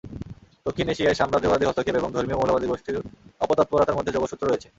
দক্ষিণ এশিয়ায় সাম্রাজ্যবাদী হস্তক্ষেপ এবং ধর্মীয় মৌলবাদী গোষ্ঠীর অপতৎপরতার মধ্যে যোগসূত্র রয়েছে।